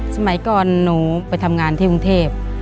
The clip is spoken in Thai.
สมัยก่อนหนูไปทำงานที่กรุงเทพ